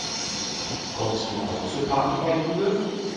Kommst du auch zur Party bei Jule?